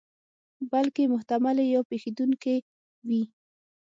بلکې محتملې یا پېښېدونکې وي.